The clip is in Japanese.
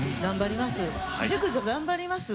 熟女、頑張ります。